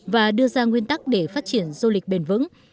và đưa ra nguyên tắc để phát triển du lịch bền vững